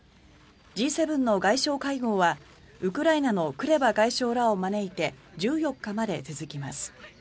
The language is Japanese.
Ｇ７の外相会合はウクライナのクレバ外相らを招いて１４日まで続きます。